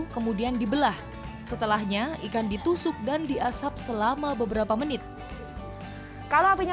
kemudian dibelah setelahnya ikan ditusuk dan diasap selama beberapa menit kalau apinya